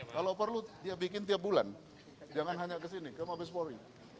kalau perlu dia bikin tiap bulan jangan hanya kesini kamu habis pori